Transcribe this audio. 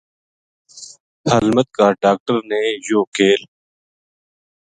ہلمت کا ڈاکٹر نے یوہ کیل